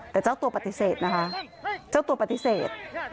แต่เจ้าตัวปฏิเสธนะคะเจ้าตัวปฏิเสธ